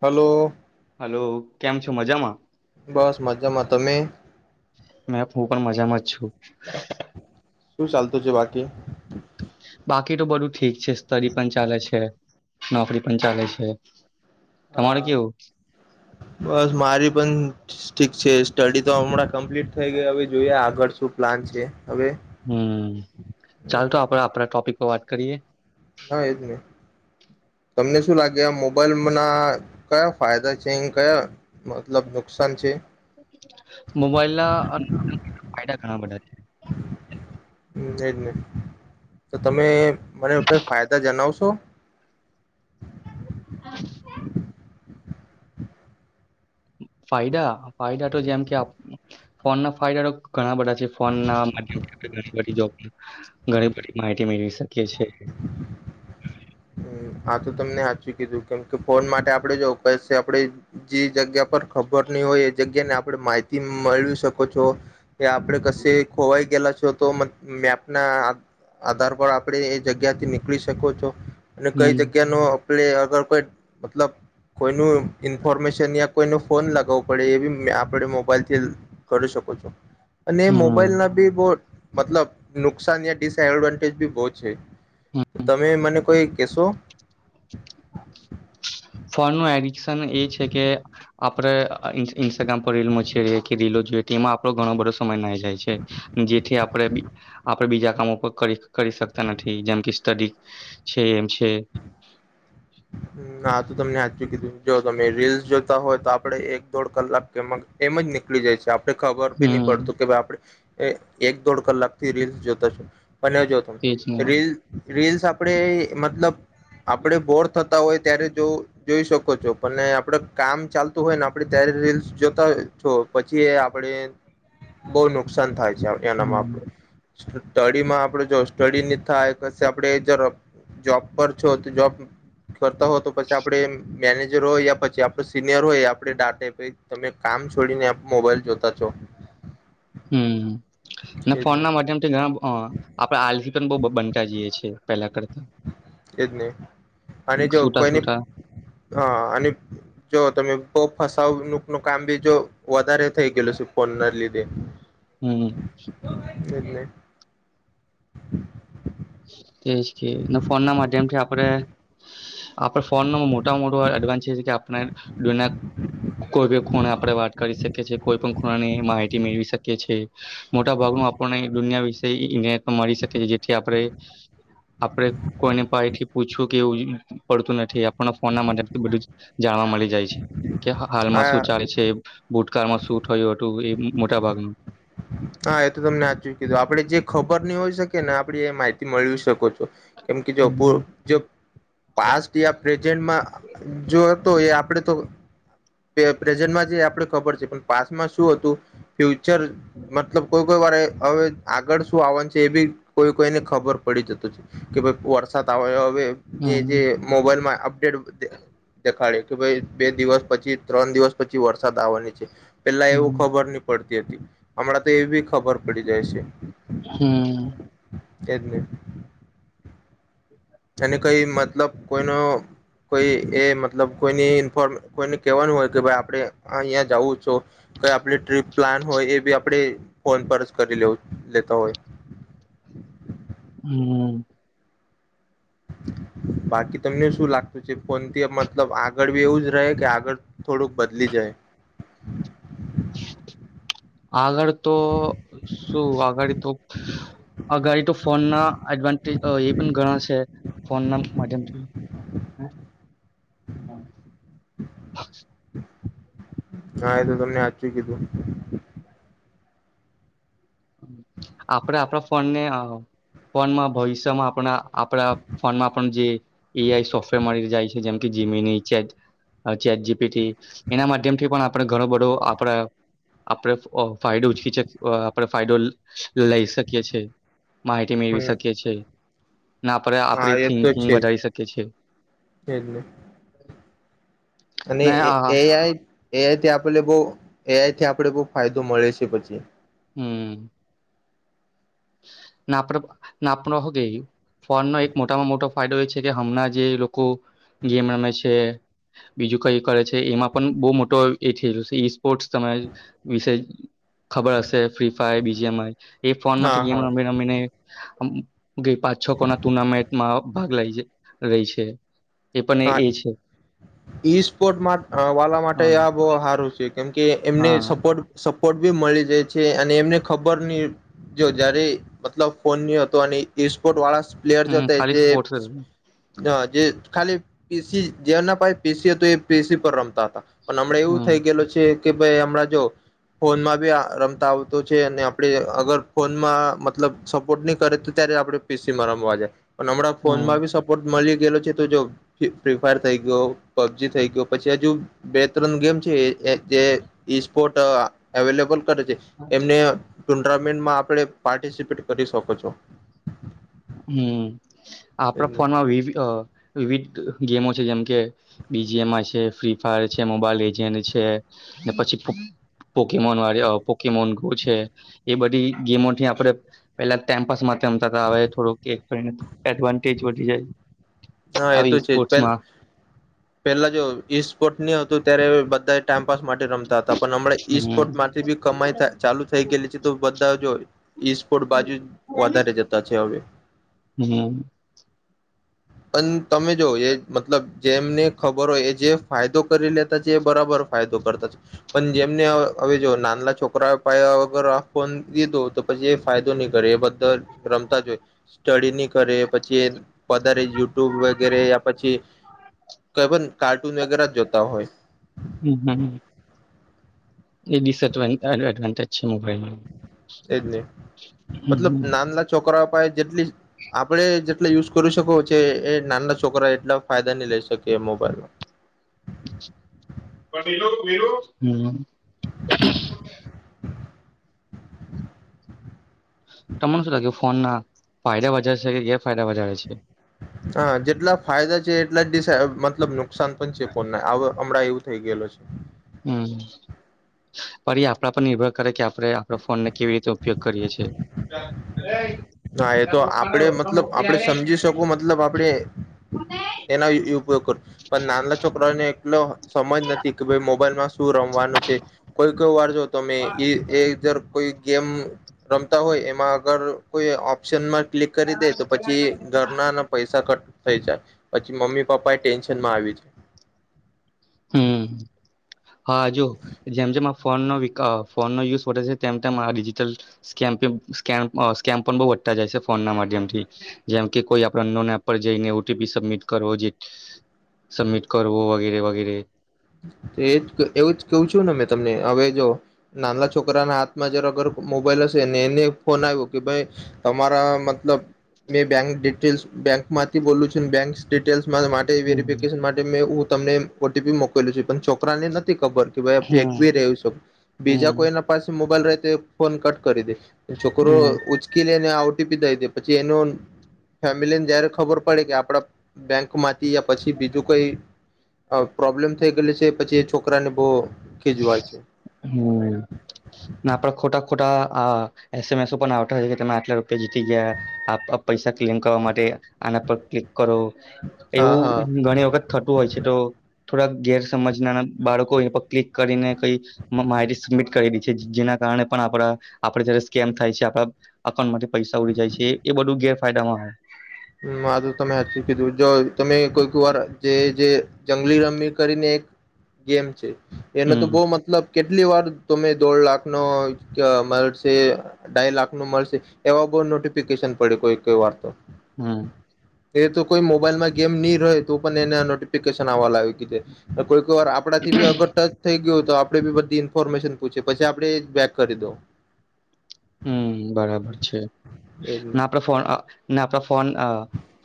Hello hello કેમ છો મજામાં બસ મજામાં તમે મે હું પણ મજામાં જ છું. શું ચાલતું છે બાકી બાકી તો બધું ઠીક છે સ્ટડી પણ ચાલે છે નોકરી પણ ચાલે છે. તમારે હા કેવું બસ મારી પણ ઠીક છે સ્ટડી તો હમણાં કમ્પ્લીટ થઈ ગઈ હવે જોઈએ આગળ શું પ્લાન છે હવે હમ ચાલ તો આપડે આપણા ટોપિક પર વાત કરીએ. હા એજ ને તમને શું લાગે મોબાઈલ ના કયા ફાયદા છે. કયા મતલબ નુકસાન છે. મોબાઈલ ના ફાયદા ઘણા બધા છે. એજ ને તો તમે મને કઈ ફાયદા જણાવશો. [unintelligible] ફાયદા ફાયદા તો જેમ કે ફોનના ફાયદા તો ઘણા બધા છે ફોન ના માધ્યથી આપણે ઘણી બધી જોબ ઘણી બધી માહિતી મેળવી છે. કીયે છે. હ આ તો તમને સાચું કીધું કેમ કે ફોન માટે આપણે જો કશે આપણે જે જગ્યા પર ખબર ની હોય એ જગ્યા ને આપણે માહિતી મેળવી શકો છો. કે આપણે કશે ખોવાઈ ગેલા થયો તો મેપ ના આધાર પર આપણે એ જગ્યાથી નીકળી શકો છો. અને કઈ હમ જગ્યા નો આપણે અગર કોઈ મતલબ કોઈનું ઇન્ફોર્મેશન યા કોઈ ન ફોન લગાવવો પડે એ બી આપણે મોબાઈલથી કરી શકો છો અને એ હમ મોબાઈલ ના બી બો મતલબ નુકસાન યા ડિસએડવાન્ટેજ બી બો છે. તમે મને કોઈ કેસો ફોનનું એડિકશન એ છે કે આપણે ઇન ઇન્સ્ટાગ્રામ પર રીલ મચેદયે કે રીલો જોઈએ તેમાં આપણો ઘણો બધો સમય નાહી જાય છે જેથી આપણે આપણે બીજા કામો પર કરી શકતા નથી જેમ કે સ્ટડી છે એમ છે. આ તો તમને સાચું કીધું જો તમે રીલ્સ જોતા હોય તો આપડે એક દોઢ કલાક એમ જ નીકળી જાય છે. આપ ખબર બી નહી હમ પડતું કે ભાઈ આપડે એ એક દોઢ કલાકથી રીલ્સ જોતા છે બને જો તમે તેજ ને રીલ રીલ્સ આપડે મતલબ આપડે બોર થતા હોય ત્યારે જો જોઈ શકો છો અને આપડ કામ ચાલતું હોય ને આપણે ત્યારે રીલ્સ જોતા છો પછી આપણે બહુ નુકસાન થાય એનામાં આપ હમ સ્ટડીમાં આપડે જો સ્ટડી નહી થાય ક આપડે જ જોબ પર છો તો જોબ કરતા હોય તો પછી આપડે મેનેજર હોય યા પછી આપણ સિનિયર હોય આપે ડાટે પ તમે કામ છોડીને મોબાઈલ જોતા છો હમ અને એજ ફોન ને ના માધ્યમથી ઘણા આપણે આલ પણ બ બનતા જઈએ છીએ પેલા કરતા એજ નહી અને જો સુટા કોઈને સુટા હા અને જો તમે તો ફસાવ નું કામ બી જો વધારે થઈ ગયેલું છે ફોન ના લીધે હમ એટલે [inaudible] ફોન ના માધ્યમથી આપણે આપણે ફોન ન મોટા મોટો એડવાન્સ કે આપણે દુનિયા કોઈ પણ ખૂણે આપણે વાત કરી શકીએ છીએ કોઈ પણ ખૂણાની માહિતી મેળવી શકીએ છીએ મોટા ભાગનું આપણને દુનિયા વિશે ઇરટમાં મળી શકીી જેથી આપણે આપડે કોઈને પા એથી પૂછવું કે એવું પડતું નથી ફોન બધું જાણવા મળી જાય છે કે હા હાલમાં શું ચાલે છે ભૂતકાળમાં શું થયું હતું એ મોટા ભાગનું હા એ તો તમને સાચું કીધું આપડે જે ખબર નની હોય શકે ને આપડી એ માહિતી મેળવી શકો છો કેમ કે જો હમ પાસ્ટ યા પ્રેઝન્ટમાં જો તો એ આપડે તો પ્રેઝન્ટમાં જે આપડે ખબર છે પણ પાસ્ટમાં શું હતું ફ્યુ મતલબ કોઈ કોઈ વારે હવે આગળ શું આવવાનું છે એ બી કોઈ કોઈને ખબર પડી જત છે કે ભાઈ વરસાદ આવે હ જે હમ મોબાઈલમાં અડેટ દેખાડ કે ભ બે દિવસ પછી ત્રણ દિવસ પછી વરસાદ આવવાની છે પેલા એવું ખબર નહ પડતી હમણાં તો એ બી ખબર પડી જાય છે હમ કેડમિટ અને કઈ મતલબ કોઈનો કોઈ એ મતલબ કોઈની ઇન્ફોર્મે કોઈને કહેવાનું હોય કે ભાઈ આપણે અહીંયા જવું છું કઈ આપણી ટ્રીપ પ્લાન હોય એ બી આપણે ફોન પર જ કરી લેવ લેતા હોય હમ બાકી તમને શું લાગતું છે ફોનથી મતલબ આગળ બી એવું જ રહે કે આગળ થોડુંક બદલી જાય આગળ તો શું આગળ તો આગળ તો ફોન ના એડવાન્ટેજ એ પણ ઘણા છે ફોન ના માધ્યમથી હા એ તો તમને આચું કીધું આપડ આપણા ફોનને ફોનમાં ભવિષ્યમાં આપણા આપડા ફોનમાં આપ જે એઆઈ સોફ્ટવેર મળી જાય છે જેમ કે જીમીની ચે ચેટ જીપી એના માધ્યમ થી પણ આપણે ઘણો બધો આપડા આપડ ફાયદો ઉચકી છે પણ ફાયડોલ લઈ શકીએ છેએ માહિતી મેળવી હમ શકીએ છ છેીએ ના આપે હા આપડી એ તો થિંકિંગ છે વધારી શકી છે જ એજ ને અને એ એઆઈ એઆઈથી આપને બહ એઆઈથી આપે બહ ફાયદો મળે છે પછી હમ પ કે ફોનનો એક મોટામાં મોટો ફાયદો એ છે કે હમણાં જે લોકો ગેમ રમે છે બીજું કઈ કરે છે એમાં પણ બહુ મોટો એ થ છે ઈ સ્પોર્ટ ત વિશે ખબર હશે ફ્રી ફાયર બીજીમાં હા હા ગમીમીને ગઈ પાંચ છ કોના ટુર્નામેન્ટમાં ભાગ લઈ રહી છે એ પણ હા એ છે ઈ સ્પોર્ટ વાલા માટે હા બહ સારું છે કેમ કે એમને હા સપોર્ટ પોર્ટ બી મળી જાય છે અને એમને ખબર નહી જો જયારે મતલબ ફોન ન હતો અને સ્પોર્ટ વાળા પ્લેયર હમ જતે ખાલી જે સ્પોર્ટ્સ જ. હ જે ખાલી પીસી જે ના પાય પીસીું એ પીસી પર રમતા હતા પણ હમણાં એવું થઈ હમ ગયેું છે કે ભાઈ હમણાં જો ફોનમાં બી રમતા આવતો છે અને આપણે અગર ફોનમાં મતલબ સપોર્ટ નહી કરે તો ત્યારે આપણે પીસીમાં રમવા જાય પણ હમણાં હમ ફોનમાંી સપોર્ટ મળલિક ગેલો છે તું જોગ ફ્રી ફાયર થઈ ગયો પબજી થઈ ગયો પછી હજુ બે ત્રણ ગેમ છે જે ઈ સ્પોર્ટ અવેલેબલ કરે છે એમનેરા આપ પાર્ટિસપેટ કરી શકો છો હમ આપણા ફોનમાં વિ વિવિધ ગેમો છે જેમકે બીજીએમ છે ફ્રી ફાયર છે મોબાઈલ એજ છે ને પછી પોકેમોન વા પોકેમોન છે એ બધી ગેમોથી આપે પેલા ટાઈમપાસમાં કતા આવે કરીને એડવાન્ટેજ વધી જાય હા એ તો આવી છે જ પે સ્પોર્ટ્સમાં પેલા જો ઈ સ્પોર્ટ નની હતું ત્યારે બધા ટમ્ કપાસ માટે રમતા હતા પણ હમણાં ઈ હમ સ્પોર્ટ માંથી બી કમાઈ ચાલુ થઈ ગયેલી છે તો બધા જો ઈ સ્પોર્ટ બાજુ વધારે જતા છે હવે હમ પણ તમે જો એ મતલબ જેમને ખબર હોય એ જે ફાયદો કરી લેતા છે એ બરાબર ફાયદો કરતા છે પણ જેમને હવે જો નાનલા છોકરા પાયા વગર આ ફોન લીધો તો પછી એ ફાયદો નહી કરે એ બધા રમતા જ હોય સ્ટડી નહી કરે પછી એ વધારે યુટ્યુબ વગેરે યા પછી કઈ પણ કાર્ટૂન વગેરે જોતા હોય એજ એજ નહી હમ મતલબ હમ નાનલા છોકરા જેટલી આપણે જેટલા યુઝ કરી શકો છે એ નાના છોકરા એટલા ફાયદા નહી લઈ શકી એ મોબાઈલમાં પણ હ તમને શું લાગ્યું ફોન ના ફાયદા વધારે છે કે ગે ફાયદા વધારે છે હા જેટલા ફાયદા છે એટલાિ મતલબ ન સ પન છેે પો નવે હમણાં એવું થઇ ગયેલો છે. હમ પણ એ આપડા પર નિર્ભર કરે કે આપડે આપડા ફોન ને કેવી રીતે ઉપયોગ કરીયે છે. હા એ તો આપડે મતલબ આપડે સમજી શકું મતલબ આપડે એના ઉપયોગ કરું પણ નાનલા છોકરાઓને એટલો સમજ નથી કે ભઈ મોબાઈલમાં શું રમવાનું છે કોઈ કોઈ વાર જો તમે એ એ દર કોઈ ગેમ રમતા હોય એમાં આગળ કોઈ ઓપ્શનમાં ક્લિક કરી દે તો પછી ઘરના અને પૈસા કટ થઈ જાય પછી મમ્મી પપ્પા એ ટેન્શનમાં આવી જ હમ. હા જો જેમ જેમ આ ફોનનો વિકા ફોનનો યુઝ વધે છે તેમ તેમ આ ડિજીિટલ સ્કે સ્કેમ અ સ્કેમ પણ બઉ વધતા જાય છે ફોનના માધ્યમથી જેમ કે કોઈ આપડો અન્નોન એપ પર જઈને ઓટીપી સબમિટ કરવો જે સબમિટ કરવો વગેરે વગેરે [inaudible] તો એ જ કે એવું જ કઉ છું ને મેં તમને હવે જો નાના છોકરાના હાથમાં જરાગર મોબાઈલ હશે ને એને ફોન આવ્યો કે ભઈ તમારા મતલબ મેં બેંક ડિટ ટેલ્સ બેક માંથી બોલું છું બેંક ડિટેલ્સ મારાં માટે હમ વેરફિકેશન માટે મે ઉ તમને ઓટીપી મો કલ્યું પણ છોકરાને નથી ખબર [unintelligible] હમ ફેંકબી રહ્યું છ બીજા હમ કઈના પાસે મો બલ રહે તે ફોન કટ કરી દે છોકરો હમ ઉચકી લે ને આઉ પછી એનો ફેમિલીને જયારે ખબર પડે કે આપડા બેંક માંથી પછી બીજું કઈ પ્રોબ્લેમ થઈ ગેલી છે પછી એ છોકરા ને બો હમ ના આપડા ખોટા ખોટા આ અસમેસો પણ આવ છે કે તમે આટલા રૂપિયા જીતી ગયા પૈસા ક્લેમ કરવા માટે આના પર ક્લિક કરો હા એવું હા ઘણી વખત થતું હોય છે તો થોડાક ગેર સમજના બાળકો એ પ ક્લિક કરીને કઈ માહિતી સબમિટ કરી દી છે જેના કારણે પણ આપડા આપેડે જ્યારે સ્કેમ થાય છે આપડા અઉન્ટમાંથી પૈસા ઉડી જાય છે એ બધું ગેરફાયદામાં હે. હમ આ તો તમે હાચું કીધું જો તમે કોઈક વાર જે જે જંગલી રમી કરીને એક ગેમ છે. એનો તો હમ બો મતલબ કેટલી વાર તમેં દોઢ લાખનો મળશે ડાઈ લા નો મળશે એવા બઉ નોટિફિકેશન પડે કોઈ કોઈ વાર તો. હમ તો એ તો કોઈ મોબાઈલમાં ગેમ ની રોય તો પણ એને નોટ ફિકેશન આવા લાયુ કી તો કોઈ વાર આપડા થી અગર ટચ થઈ ગીઉ આપડી ભી બધી ઇન્ફોર્મેશન પૂછી પછી આપડે બેક કરી દઉ હમ બરાબર છે એજ ને [unintelligible] ફોન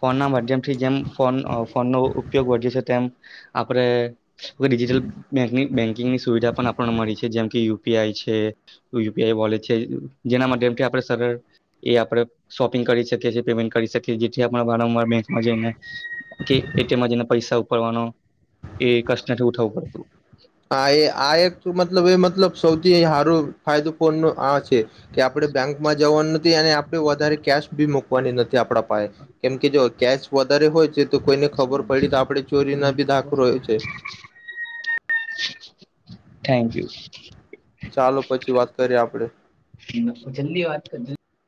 ફોન ના માધ્યમથી જેમ ફોન ફોનનો ઉપયોગ વધે છે તેમ આપણે ડિજિટલ બેન્કિંગની સુવિધા પણ આપણને મળી છે જેમ કે યુ યુ પી આઈ છે યુ પી આઈ વલેટ છે જેના માટે [unintelligible] એ આપણે શોપિંગ કરી શકીએએ [unintelligible] પડતું હા એ આ એક મતલબ એ મતલબ સૌથી હારું ફાયદુપૂર્ણ આ છે કે આપડે બેંકમાં જવાનું નથી અને આ આપણે વધારે કેશ ભી મુકવાની નથી આપળા નાય કેમ કે જો કેશ વધારે હોય તો કોઈને ખબર પડી તો આપણે ચોરી ના ભી [unintelligible] છે થેન્ક યુ ચાલો પછી વાત કરીએ આપડે હ જલ્દી વાત કરજો